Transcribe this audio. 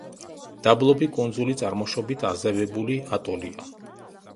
დაბლობი კუნძული, წარმოშობით აზევებული ატოლია.